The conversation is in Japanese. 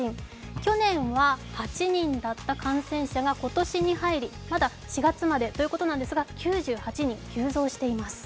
去年は８人だった感染者が今年に入り、まだ４月までということが９８人、急増しています。